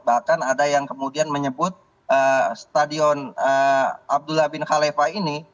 bahkan ada yang kemudian menyebut stadion abdullah bin khalifah ini